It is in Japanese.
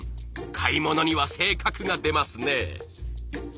買い物には性格が出ますね。